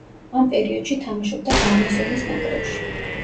ამ პერიოდში თამაშობდა გარნიზონის ნაკრებში.